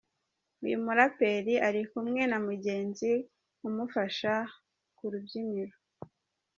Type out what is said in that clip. Uyu muraperi ari kumwe na mugenzi umufasha ku rubyiniro.